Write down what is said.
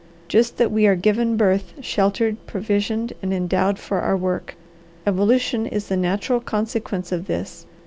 Just that we are given birth, sheltered, provisioned, and endowed for our work. Evolution is the natural consequence of this.